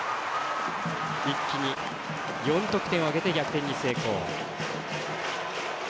一気に４得点を挙げて逆転に成功。